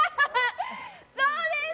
そうです！